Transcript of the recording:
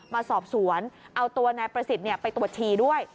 มาสอบสวนเอาตัวนายประสิทธิ์ไปตรวจชีด้วย